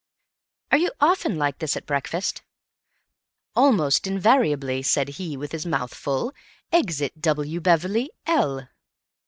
"Are you often like this at breakfast?" "Almost invariably. Said he with his mouth full. Exit W. Beverley, L."